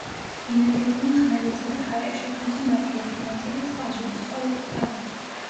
ბინადრობდნენ ხმელეთსა და ჰაერში, თუმცა მათი ერთი ნაწილი წყალშიც ცხოვრობდა.